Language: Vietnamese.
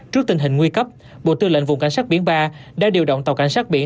trước tình hình nguy cấp bộ tư lệnh vùng cảnh sát biển ba đã điều động tàu cảnh sát biển sáu nghìn tám